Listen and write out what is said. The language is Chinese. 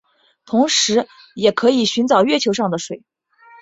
同时也可以寻找月球上的水。